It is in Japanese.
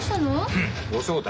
うん。ご招待。